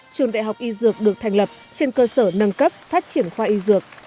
trường đại học y dược được thành lập trên cơ sở nâng cấp phát triển khoa y dược